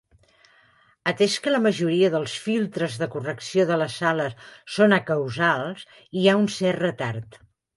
Atès que la majoria dels filtres de correcció de les sales són acausals, hi ha un cert retard.